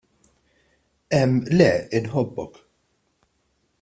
" Emm, le, inħobbok. "